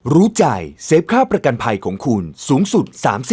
รู้ใจเซฟค่าประกันภัยของคุณสูงสุด๓๐